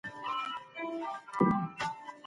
د زده کوونکو لپاره د هنر او فرهنګ نندارتونونه نه وو.